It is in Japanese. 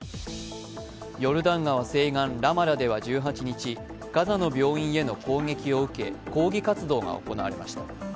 ヨルダン川西岸ラマラでは１８日、ガザの病院への攻撃を受け抗議活動が行われました。